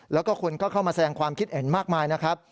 แล้วก็คนก็เข้ามาแสดงความคิดเห็นมากมายนะครับ